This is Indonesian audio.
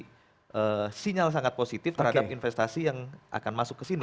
dan indonesia akan memberi sinyal sangat positif terhadap investasi yang akan masuk ke sini